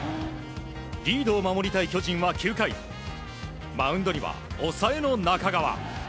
リードを守りたい巨人は９回マウンドには抑えの中川。